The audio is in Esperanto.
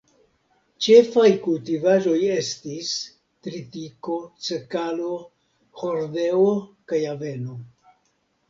Ĉefaj kultivaĵoj estis tritiko, sekalo, hordeo kaj aveno.